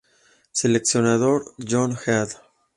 Seleccionador: John Head